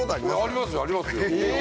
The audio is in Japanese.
ありますよありますよ